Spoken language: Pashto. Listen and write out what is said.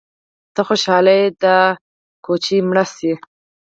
_ته خوشاله يې چې دا کوچۍ مړه شي؟